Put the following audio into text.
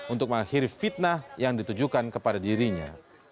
untuk mengakhiri fitnah yang ditujukan kepada dirinya